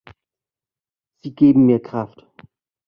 Sie geben mir Kraft.